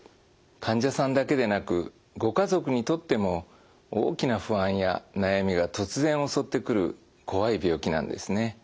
患者さんだけでなくご家族にとっても大きな不安や悩みが突然襲ってくる怖い病気なんですね。